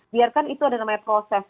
biarkan itu ada namanya proses